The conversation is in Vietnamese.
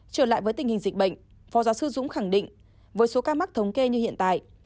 trở lại với tình hình dịch bệnh phó giáo sư dũng khẳng định với số ca mắc thống kê như hiện tại